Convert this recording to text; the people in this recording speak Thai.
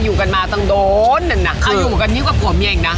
อยู่กันมาตั้งโดนหน่ะค่ะอยู่กับกันนี้กว่ากับกลัวเมียเองนะ